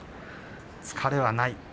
疲れはない。